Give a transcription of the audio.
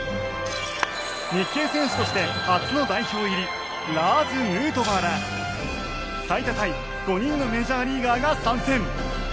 日系選手として初の代表入りラーズ・ヌートバーら最多タイ５人のメジャーリーガーが参戦！